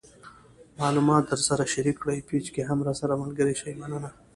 معلومات د درسره شیر کړئ پیج کې هم راسره ملګري شئ مننه